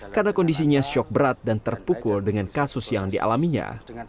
karena kondisinya syok berat dan terpukul dengan kasus yang dialaminya